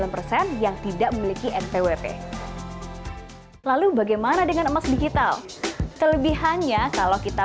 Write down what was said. sembilan persen yang tidak memiliki npwp lalu bagaimana dengan emas digital kelebihannya kalau kita